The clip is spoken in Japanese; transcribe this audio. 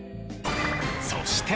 そして。